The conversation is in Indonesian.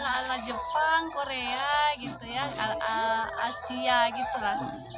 ala ala jepang korea asia